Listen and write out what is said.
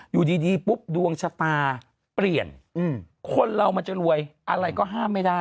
อยู่ดีปุ๊บดวงชะตาเปลี่ยนคนเรามันจะรวยอะไรก็ห้ามไม่ได้